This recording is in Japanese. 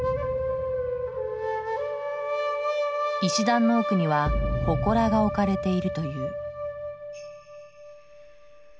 石段の奥には祠が置かれているという。